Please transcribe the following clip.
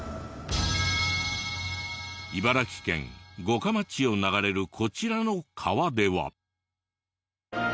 茨城県五霞町を流れるこちらの川では。